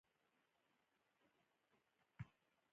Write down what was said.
ساده اسانه نه دی.